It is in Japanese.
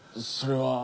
それは。